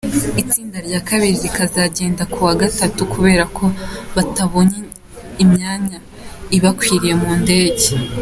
Itsinda rya kabiri rikazagenda kuwa Gatatu kubera ko batabonye imyanya ibakwiriye mu ndege.